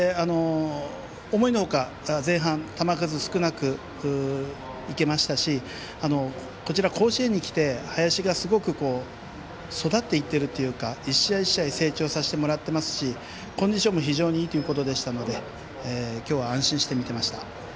思いのほか、前半球数少なくいけましたしこちら、甲子園に来て林がすごく育ってきているといいますか一試合一試合成長させてもらってますしコンディションもいいということだったので今日は安心して見ていました。